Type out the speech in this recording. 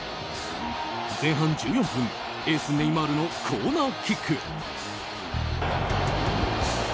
前半１４分、エースネイマールのコーナーキック。